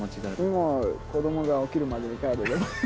もう、子どもが起きるまでに帰れれば。